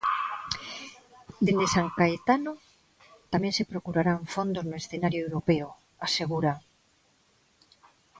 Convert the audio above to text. Dende San Caetano tamén se procurarán fondos no escenario europeo, asegura.